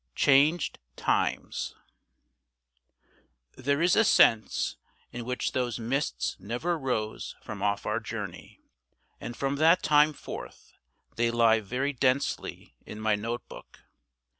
CHANGED TIMES THERE is a sense in which those mists never rose from off our journey; and from that time forth they lie very densely in my note book.